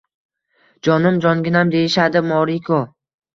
— Jonim, jonginam deyishadi, Moriko.